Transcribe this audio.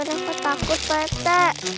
aku takut pak teh